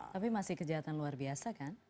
tapi masih kejahatan luar biasa kan